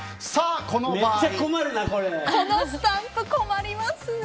このスタンプ困りますね！